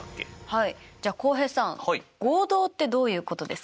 はいじゃあ浩平さん合同ってどういうことですか？